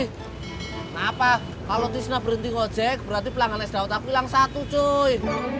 kenapa kalo tisna berhenti ngojek berarti pelanggan es daun aku hilang satu cuy